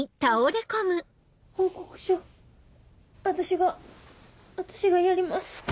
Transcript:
私が私がやります。